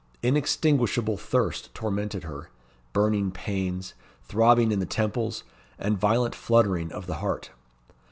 Inextinguishable thirst tormented her; burning pains; throbbing in the temples; and violent fluttering of the heart.